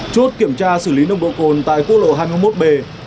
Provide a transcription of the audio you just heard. chốt kiểm tra xử lý nông độ cồn tại cuốc lộ hai mươi một b